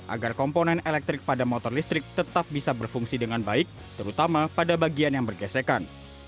agar komponen elektrik pada motor listrik tetap bisa berfungsi dengan baik terutama pada bagian yang bergesekan